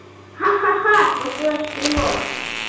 — Ха-ха-ха, — воштылеш стрелок.